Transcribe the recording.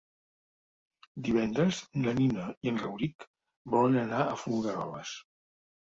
Divendres na Nina i en Rauric volen anar a Folgueroles.